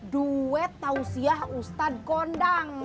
duet tausiyah ustadz gondang